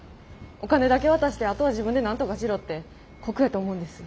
お金だけ渡してあとは自分でなんとかしろって酷やと思うんです。